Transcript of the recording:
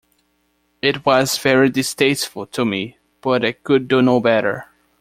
It was very distasteful to me, but I could do no better.